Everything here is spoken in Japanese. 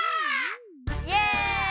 イエイ！